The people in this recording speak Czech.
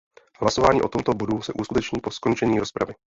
Hlasování o tomto bodu se uskuteční po skončení rozpravy.